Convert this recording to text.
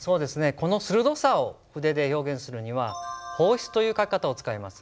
この鋭さを筆で表現するには方筆という書き方を使います。